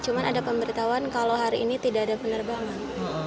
cuma ada pemberitahuan kalau hari ini tidak ada penerbangan